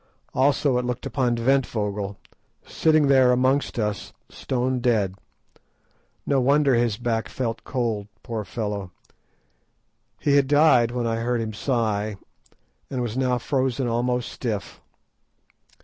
Also it looked upon Ventvögel, sitting there amongst us, stone dead. No wonder his back felt cold, poor fellow. He had died when I heard him sigh, and was now frozen almost stiff.